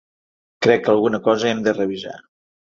Crec que alguna cosa hem de revisar.